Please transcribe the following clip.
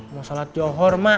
masalah johor emak